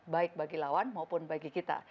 baik bagi lawan maupun bagi kita